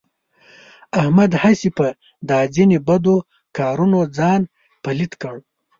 احمد هسې په دا ځنې بدو کارونو ځان پلیت کړ.